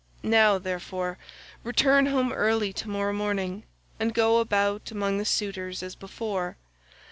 Now, therefore, return home early to morrow morning, and go about among the suitors as before.